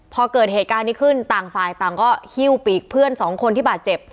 พอเกิดเหตุการณ์นี้ขึ้นต่างฝ่ายต่างก็ฮิ้วปีกเพื่อนสองคนที่บาดเจ็บ